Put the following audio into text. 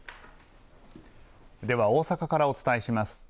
では大阪からお伝えします。